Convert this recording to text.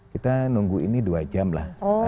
kita nunggu ini dua jam lah